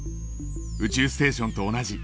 宇宙ステーションと同じ。